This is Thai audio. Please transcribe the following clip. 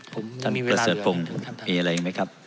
ผมไม่มีเวลาเลยครับมีอะไรอีกไหมครับ